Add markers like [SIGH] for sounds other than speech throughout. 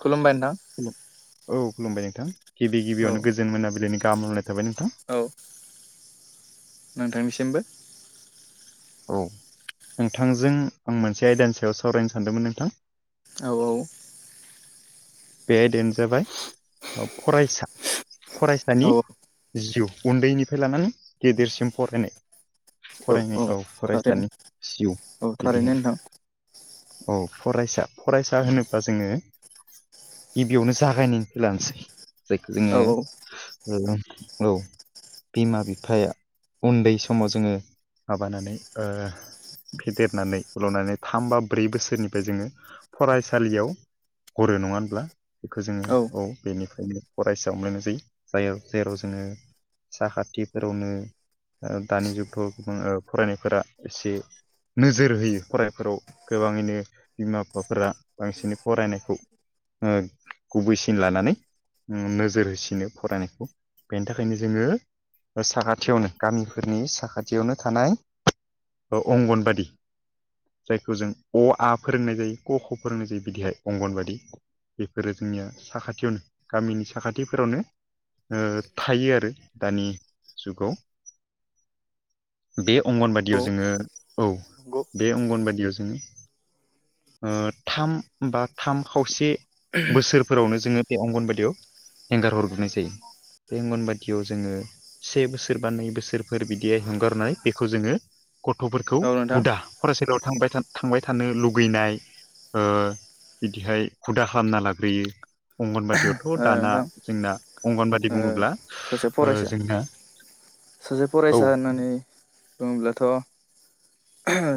खुलुमबाय नोंथां औ खुलुमबाय नोंथां गिबि औ गिबियावनो गोजोन मोनाबिलिनि गाहामनाय थाबाय नोंथां औ नोंथांनिसिमबो औ नोंथांजों आं मोनसे आयदानि सायाव सावरायनो सानदोंमोन नोंथां औ औ बे आयदायानो जाबाय फरायसा फरायसानि औ जिउ उन्दैनिफ्राय लानानै गेदेरसिम फरायनाय फरायनाय औ फरायसानि जिउ औ थारैनो बिदिहाय नोंथां औ फरायसा फरायसा होनोब्ला जोङो गिबियावनो जागायनायनिखौै लानोसै जायखौ औ जोङो औ बिमा बिफाया उन्दै समाव जोङो माबानानै फेदेरनानै फोलावनानै थाम बा ब्रै बोसोरनिफ्राय जोङो फरायसालियाव गरु नङा होनब्ला बेखौ जोङो औ बेनिफ्रायनो फरायसायाव लनाय जायो ज जेराव जोङो साखाथिफोरावनो दानि जुगथाव गोबां फरायनायफोरा एसे नोजोर होयो फरायफोराव गोबाङैनो बिमा बिफाफोरा बांसिन फरायनायखौ ओ गुबैसिन लानानै नोजोर होसिनो फरायनायखौ बेनि थाखायनो जोङो साखाथियावनो गामिफोरनि साखाथियावनो थानाय अंगनबादि जायखौ जों अ आ फोरोंनाय जायो क ख फोरोंनाय जायो बिदिहाय अंगनबादि बेफोरो जोंनिया साखाथियावनो गामिनि साखाथिफोरावनो ओ थायो आरो दानि जुगाव बे अंगनबादियाव औ जोङो औ बे अंगनबादियाव जोङो ओ थाम बा थाम खावसे बोसोर फोरावनो जोङो बे अंगनबादियाव एंगार हरग्रोनाय जायो बे अंगनबादियाव जोङो से बोसोर बा नै बोसोरफोर बिदियै हंगारनाय बेखौ जोङो गथ'फोरखौ नोंथां हुदा फरायसालियाव थां थांबाय थानो लुुबैनाय बिदिहाय हुदा खालामना लाग्रोयो अंगनबादियावथ' ओ दाना नोंथां जोंना अंगनबादि ओ बुङोब्ला सासे ओ फरायसा जोंना सासे औ फरायसा होननानै बुङोब्लाथ'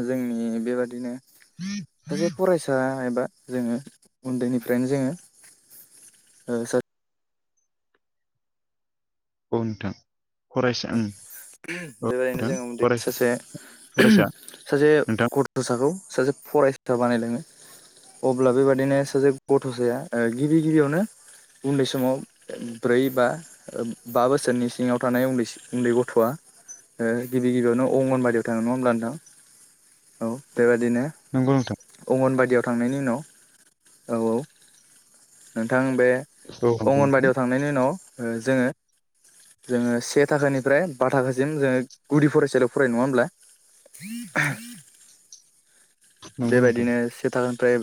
जोंनि बेबादिनो सासे फरायसा आइबा जोंङो उन्दैनिफ्रायनो जोंङो औ नोंथां फरायसा ओं बेबायदिनो नोंथां जोङो उन्दै फरायसा सासे फरायसा सासे नोंथां ग गथ'साखौ सासे फरायसा बानायलाङो अब्ला बेबादिनो सासे गथ'साया ओ गिबि गिबियावनो उन्दै समाव ब्रै बा ओब बा बोसोरनि सिङाव थानाय उन्दै उन्दै गथ'आ ओ गिबि गिबियावनो अंगनबादियाव थाङो नङा होमब्ला नोंथाङ औ बेबादिनो नंगौ नोंथां। अंगनबादियाव थांनायनि उनाव औ औ नोंथां बे औ नंगौ नोंथां अंगनबादियाव थांनायनि उनाव ओ जोङो जोङो से थाखानिफ्राय बा थाखासिम जोङो गुदि फरायसालियाव फरायो नङा होमब्ला नंगौ नोंथां बेबायदिनो से थाखोनिफ्राय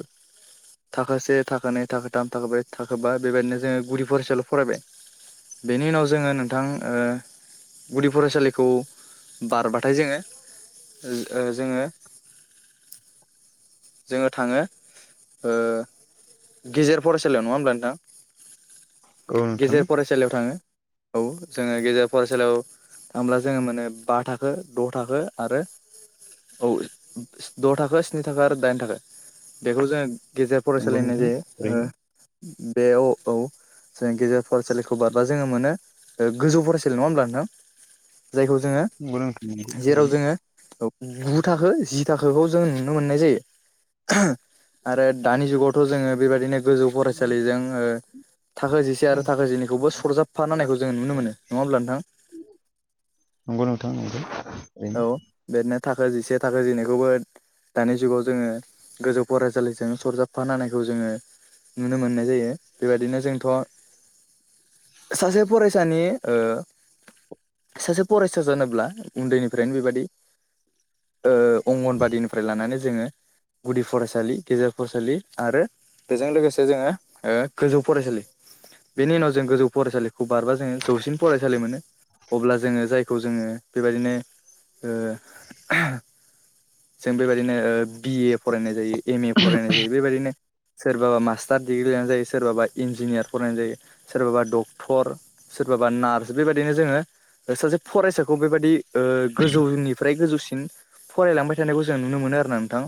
थाखो से थाखो नै थाखो थाम थाखो ब्रै थाखो बा बेबायदिनो जोङो गुदि फरायसालियाव फरायबाय बेनि उनाव जोङो नोंथां ओ गुदि फरायसालिखौ बारबाथाय जोङो जोङो जोङो थाङो ओ गेजेर फरायसालियाव नङा होमब्ला नोंथां? औ नोंथां गेजेर फरायसालियाव थाङो औ जोङो गेजेर फरायसालियाव थांब्ला जोङो मोनो बा थाखो द' थाखो आरो। औ द' थाखो स्नि थाखओ आरो दाइन थाखो बेखौ जोङो गेजेर नंगौ फरायसालि होननाय नोंथां जायो ओ ओरैनो बे अ औ जों गेजेर फरायसालिखौ बारब्ला जोङो मोनो गोजौ फरायसालि नङा होमब्ला नोंथां? जायखौ जोङो नंगौ नोंथां नंगौ जेराव ओरैनो जोङो गु थाखो जि थाखोखौ जों नो मोननाय जायो आरो दानि जुगावथ' जोङो बेबायदिनो गोजौ फरायसालिजों ओ थाखो जिसे आरो थाखो जिनैखौबो सरजाबफा होननायखौ जो नुनो मोनो नङा होमब्ला नोंथां? नंगौ नोंथां औ ओरैनो बेदिनो थाखो जिसे थाखो जिनैखौबो दानि जुगाव जोङो गोजौ फरायसालिजों सरजाबफानायखौ जोङो नुनो मोननाय जायो बेबायदिनो जोंथ' सासे फरायसानि ओ सासे फरायसा जानोब्ला उन्दैनि फ्रायनो बेबायदि ओ अंगनबादिनिफ्राय लानानै जोङो गुदि फरायसालि गेजेर फरायसालि आरो। बेजों लोगोसे जोङो ओ गोजौ फरायसालि बेनि उनाव जों गोजौ फरायसालिखौ बारबा जोङो जौसिन फरायसालि मोनो अब्ला जोङो जायखौ जोङो बेबायदिनो ओ जों बेबायदिनो ओ बिए फरायनाय जायो एम ए फरायनाय जायो बेबायदिनो' सोरबाबा मास्टार दिडिग्रि लायानाय जायो सोरबाबा इन्जिनियार फरायनाय जायो सोरबाबा डक्टर सोरबाबा नार्स बेबायदिनो जोङो सासे फरायसाखौ बेबायदि ओ- गोजौनिफ्राय गोजौसिन फरायलांबाय थानायखौ जों नुनो मोनो आरो ना नोंथां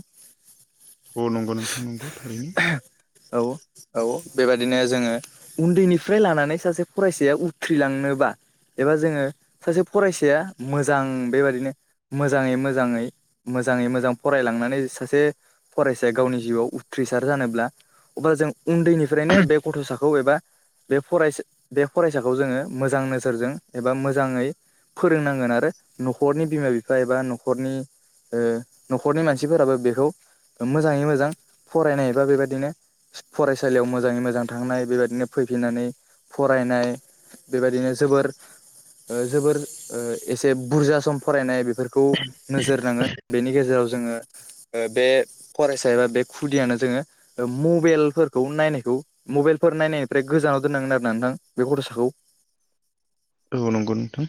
अ नंगौ नोंथाङ नंगौ थारैनो। औ। औ बेबायदिनो जोङो उन्दैनिफ्राय लानानै सासे फरायसाया उथ्रिलांनोबा एबा जोङो सासे फरायसाया मोजां बेबायदिनो मोजाङै मोजाङै मोजाङै मोजां फरायलांनानै सासे फरायसाया गावनि जिउआव उथ्रिसार जानोब्ला बा जों उन्दैनिफ्रायनो बे गथ'साखौ एबा बे फरायसा बे फरायसाखौ जोङो मोजां नोजोरजों एबा मोजाङै फोरोंनांगोन आरो न'खरनि बिमा बिफा एबा न'खरनि ओ न'खरनि मानसिफोराबो बेखौ मोजाङै मोजां फरायनायबा बेबादिनो फरायसालियाव मोजाङै मोजां थांनाय बेबायदिनो फैफिननानै फरायनाय बेबायदिनो जोबोर ओ जोबोर एसे बुरजा सम फरायनाय बेफोरखौ नोजोर नाङो बेनि गेजेराव जोङो ओ बे फरायसा एबा बे खुदियानो जोङो मबाइलफोरखौ नायनायखौ मबाइलफोर नायनायनिफ्राय गोजानाव दोननांगोन आरो ना नोंथां बे गथ'साखौ औ नंगौ नोंथां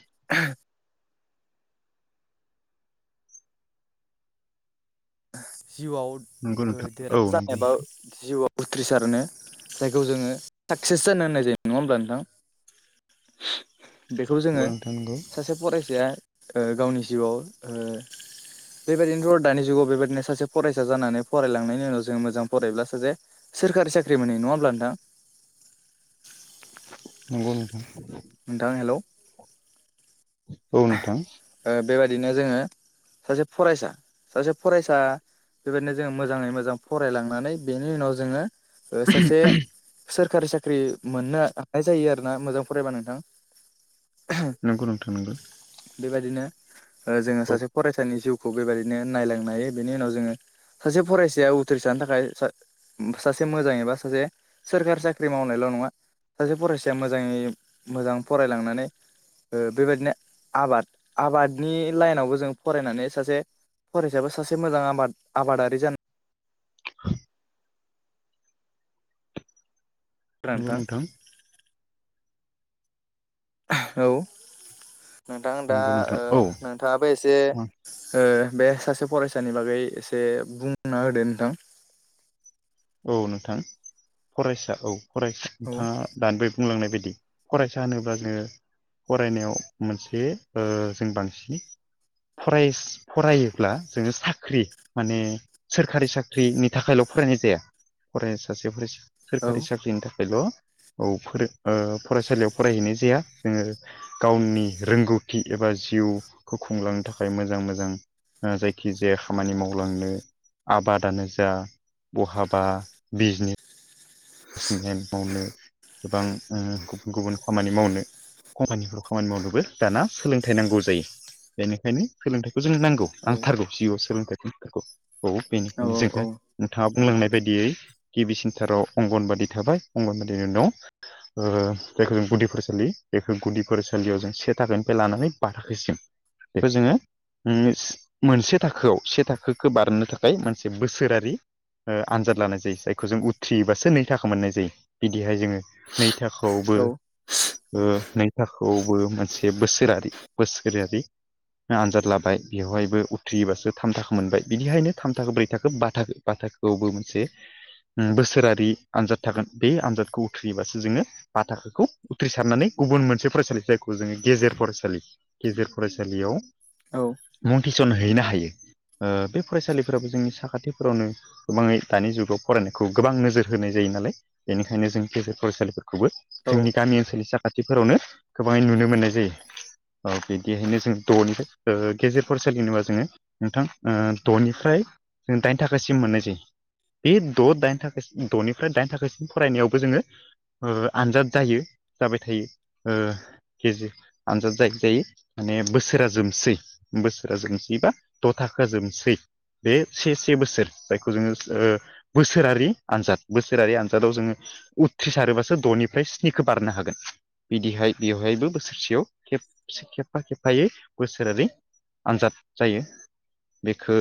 जिउआव नंगौ नोंथां औ देरहाथार नंगौ जानायबा जिउआव उथ्रिसारनो जायखौ जोङो साकसेस जानो होननाय जायो नङा होमब्ला नोंथां। बेखौ जोङो नोंथां सासे फरायसाया ओ गावनि जिउआव ओ बेबायदिनोथ' दा जिुगाव बेबायाददिनो सासे फरायसा जानानै फरायलांनायनि उनाव जों मोजां फरायायोब्ला सासे सोरखारि साख्रि मोननाय नङा होमब्ला नोंथां नंगौ नोंथां नोंथां हेल' [UNINTELLIGIBLE] औ नोंथां ओ बेबायदिनो जोङो सासे फरायसा सासे फरायसा बेबायदिनो जोङो मोजाङै मोजां फरायलांनानै बेनि उनाव जोङो ओ सासे सोरखारि साख्रि मोननो हानाय जायो आरो ना मोजां फरायबा नोंथां नोंगौ नोंथां नोंगौ बेबायदिनो जोङो ओ औ नोंथां नंगौ नोंथां नंगौ औ सासे फरायसानि जिउखौ बेबायदिनो नायलांनो हायो बेनि उनाव जोङो सासे फरायसाया उथ्रिसारानो थाखाय सासे मोजाङैबा सासे सोरखारि साख्रि मावनायल' नङा सासे फरायसाया मोजाङै मोजां फरायलांनानै ओ बेबायदिनो आबाद आबादनि लाइनावबो जों फरायनानै सासे फरायसाबो सासे मोजां आबाद आबादारि जानाय [INAUDIBLE] नंगौ नोंथां औ नोंथां दा नंगौ नोंथां औ नोंथाङाबो एसे ओ बे सासे फरायसानि बागै एसे बुंना होदो नोंथां औ नोंथां फरायसा औ फरायसा औ नोंथाङा दानि बे बुंलांनाय बायदि फरायसा होनोब्ला जोङो फरायनायाव मोनसे ओ जों बांसिन फरायस फरायोब्ला जोङो साख्रि माने सोरखारि साख्रिनि थाखायल' फरायनाय जाया फराय सासे फरायसा औ सोरखारि साख्रिनि थाखायल' औ फरायसालियाव फरायहैनाय जाया जोङो गावनि रोंगौथि एबा जिउखौ खुंलांनो थाखाय मोजां मोजां ओ जायखिजाया खामानि मावलांनो आबादानो जा बहाबा बा बिजनेस समेन मावनो गोबां गुबुन गुबुन खामानि मावनो कम्पानिफोराव खामानि मावनोबो दाना सोलोंथाइ नांगौ जायो बेनिखायनो सोलोंथाइखौ जों नांगौ। औ नांथारगौ जिउआव सोलोंथाइ नांथारगौ औ औ बेनिखायनो जोङो औ नोंथाङा बुंलांनाय बायदियै गिबि सेन्टाराव अंगनबादि थाबाय अंगनबादिनो दं ओ जायखौ जों गुदि फरायसालि बेखौ गुदि फरायसालियाव जों से थाखोनिफ्राय लानानै बा थाखोसिम बेखौ जोङो मोनसे थाखोआव से थाखोखौ बारनो थाखाय मोनसे बोसोरारि आनजाद लानाय जायो जायखौ जों उथ्रियोबा नै थाखो मोननाय जायो बिदिहाय जोङो नै थाखोआवबो औ नोंथखौआवबो मोनसे बोसोरारि बोसोरारि आनजाद लाबाय बेवहायबो उथ्रियोबासो थामथो मोनबाय बिदिहायनो थाम थाखो ब्रै थाखो बा बा थाखो बेयावबो मोनसे बोसोरारि आनजाद थागोन बे आनजादखौ उथ्रियोबासो जोङो ब थाखोखौ उथ्रिसारनानै गुबुन मोनसे फरायसालि जायखौ जोङो गेजेर फरायसालि गेजेर फरायसालियाव औ मुं थिसनहैनो हायो। बे फरायसालिफोराबो जोंनि साखाथिफोरावनो गोबाङै दानि जुगाव फरायनायखौ गोबां नोजोर होनाय जायो नालाय बेनिखायनो जों गेजेर फरायसालिफोरखौबो औ जोंनि गामि ओनसोलनि साखा्रि खाथिफोरावनो गोबाङै नुनो मोननाय जायो औ बिदिहायनो जों द'निबो गेजेर फरायसालिनोबा जोङो नोंथां द'निफ्राय जों दाइन थाखासिम मोननाय जायो बे द' दाइन थाखासिम द'निफ्राय दाइन थाखोसिम फरायनायावबो जोङो आनजाद जायो जाबाय थायो केजि आनजाद जायखजायो माने बोसोरा जोबसै बोसोरा जोबसै बा द' थाखोआ जोबसै बे से से बोसोर जायखौ जोङो बोसोरारि आनजाद बोसोरारि आनजादाव जोङो उथ्रिसारोबासो द'निफ्राय स्निखौ बारनो हागोन बिदिहाय बेवहायबो बोसोरसेयाव खेबसे खेबफा खेबफायै बोसोरारिै आनजाद जायो बेखौ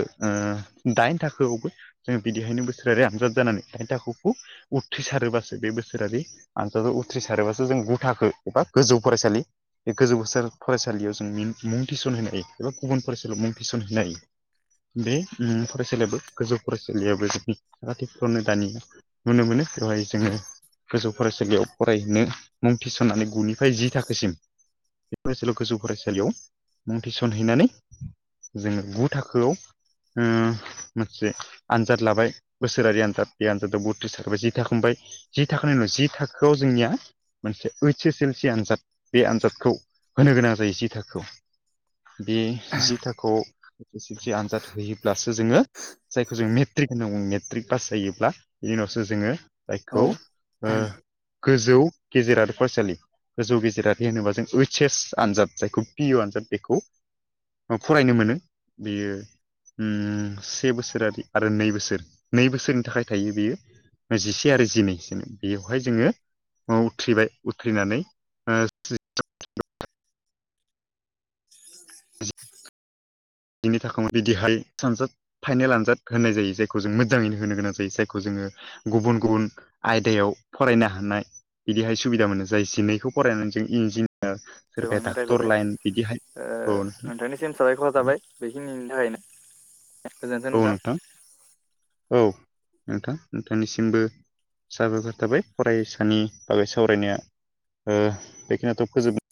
दाइन थाखोआवबो जों बिदिहायनो बोसोरारि आनजाद जानानै दाय थाखोखौ उथ्रिसारोबासो बे बोसोरारि आनजादआव उथ्रिसारोबासो जों गुथाखो एबा गोजौ फरायसालि बे गोजौ बोसोर फरायसालियाव जों मुं थिसन होनो हायो एबा गुबुन फरायसालियाव मुं थिसन होनो हायो बे फरायसालियाबो गोजौ फरायसालियाबो जोंनि खाथि फनो दानि नुनो मोनो बेवहाय जोङो गोजौ फरायसालियाव फरायनो मुं थिसननानै गुनिफ्राय जि थाखोसिम बे फरायसालियाव गोजौ फरायसालियाव मुं थिसनहैनानै जोङो गु थाखोआव मोनसे आनजाद लाबाय बोसोरारि आनजाद बे आनजादाव बुथ्रिस थाखोबाय जि थाखो हमबाय जि थाखोनि उनाव जि थाखोआव जोंनिया मोनसे ओइस एस एल सि आनजाद बे आनजादखौ होनो गोनां जायो जि थाखोआव बे जि थाखोआव ए ए सि आनजाद होयोब्लासो जोङो जायखौ जों मेट्रिक होनना बुङो मेट्रिक पास जायोब्ला बेनि उनावसो जोङो औ जायखौ गोजौ गेजेर आरो फरायसालि गोजौ गेजेरारि होनोबा जों ओइस एस आनजाद जायखौ पि इउ आनजाद बेखौ फरायनो मोनो बेयो से बोसोरारि आरो नै बोसोर नै बोसोरनि थाखाय थायो बेयो जिसे आरो जिनैस बेयावहाय जोङो उथ्रिबाय उथ्रिनानै बिनि बिनि थाखाय बिदिहाय सानजाद फाइनेल आनजाद होनाय जायो जायखौ जों मोजाङैनो होनो गोनां जायो जायखौ जोङो गुबुन गुबुन आयदायाव फरायनो हानाय बिदिहाय सुबिदा मोनो जाय जिनैखौ फरायनानै जों इन्जिनियार सोरबाया गोबांनो डाक्टर रायलायबाय लाइन बिदिहाय न सिम साबाय खहा जाबाय बेखिनि थाखायनो औ नोंथां औ नोंथां नोंथांनिसिमबो साबायखर थाबाय फरायसानि बागै सावरायनाया बेखिनिथ' फोजोब